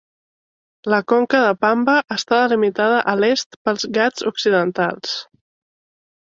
La conca de Pamba està delimitada a l'est pels Ghats Occidentals.